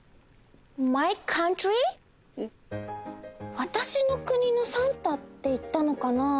わたしの国のサンタって言ったのかな？